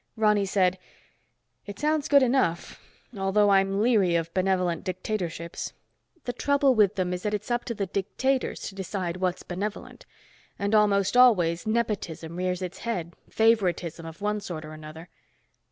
Ronny said, "It sounds good enough, although I'm leery of benevolent dictatorships. The trouble with them is that it's up to the dictators to decide what's benevolent. And almost always, nepotism rears its head, favoritism of one sort or another.